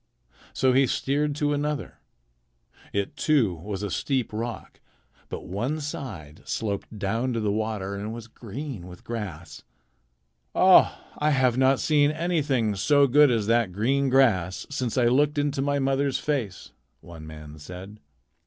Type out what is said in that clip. So he steered to another. It, too, was a steep rock, but one side sloped down to the water and was green with grass. "Oh, I have not seen anything so good as that green grass since I looked into my mother's face," one man said.